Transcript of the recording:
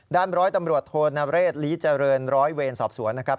ร้อยตำรวจโทนเรศลีเจริญร้อยเวรสอบสวนนะครับ